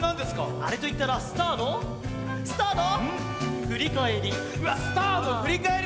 あれといったらスターのスターのふりかえり。